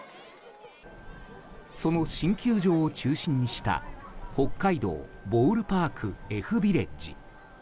その新球場を中心にした北海道ボールパークＦビレッジ。